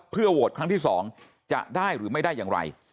เพื่อโหวตครั้งที่๒จะได้หรือไม่ได้อย่างไร